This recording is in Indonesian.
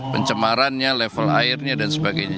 pencemarannya level airnya dan sebagainya